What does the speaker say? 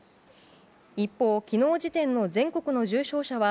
一方、昨日時点の全国の重症者は